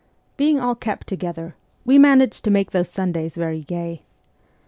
Being all kept together, we managed to make those Sundays very gay.